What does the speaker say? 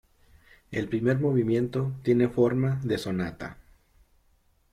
El primer movimiento tiene forma de sonata.